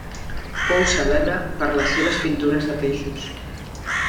Fou cèlebre per les seves pintures de peixos.